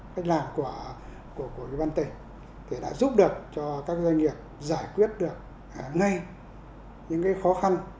cách làm của ủy ban tỉnh thì đã giúp được cho các doanh nghiệp giải quyết được ngay những khó khăn